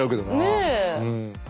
ねえ？